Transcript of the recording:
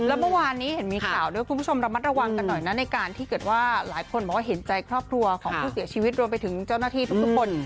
แล้วเมื่อวานนี้เห็นมีข่าวด้วยคุณผู้ชมระมัดระวังกันหน่อยนะในการที่เกิดว่าหลายคนบอกว่าเห็นใจครอบครัวของผู้เสียชีวิตรวมไปถึงเจ้าหน้าที่ทุกคน